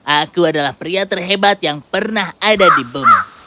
aku adalah pria terhebat yang pernah ada di bumi